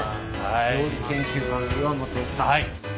料理研究家の岩本さん。